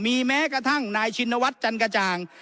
มีแม้กระทั่งนายชินวัฒน์จันกระจ่าง